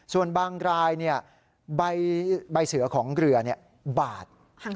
ส่วนบางรายใบเสือของเรือบาด